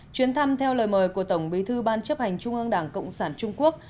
chuyến thăm theo lời mời của tổng bí thư ban chấp hành trung ương đảng cộng sản trung quốc